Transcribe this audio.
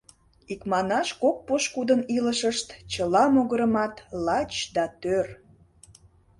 Икманаш, кок пошкудын илышышт чыла могырымат лач да тӧр.